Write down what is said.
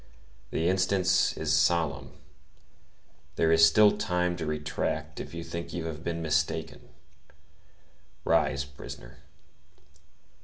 The instant is solemn; there is still time to retract if you think you have been mistaken. Rise, prisoner.